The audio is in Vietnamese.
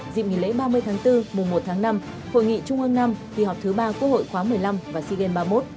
dịp nghỉ lễ ba mươi tháng bốn mùa một tháng năm hội nghị trung ương năm kỳ họp thứ ba quốc hội khóa một mươi năm và sea games ba mươi một